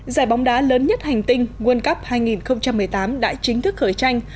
giải bóng đá lớn nhất hành tinh world cup hai nghìn một mươi tám đã chính thức khởi tranh